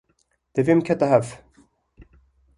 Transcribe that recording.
Devê min kete hev.